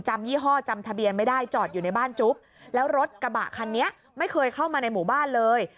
ยี่ห้อจำทะเบียนไม่ได้จอดอยู่ในบ้านจุ๊บแล้วรถกระบะคันนี้ไม่เคยเข้ามาในหมู่บ้านเลย